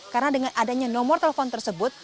karena dengan adanya nomor telepon tersebut